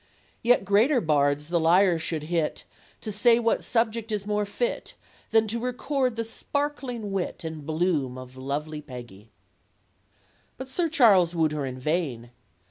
Ye greater bards the lyre should hit, To say what subject is more fit. Than to record the sparkling wit And bloom of lovely Peggy, But Sir Charles wooed her in vain.